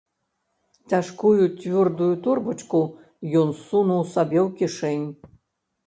Цяжкую, цвёрдую торбачку ён сунуў сабе ў кішэнь.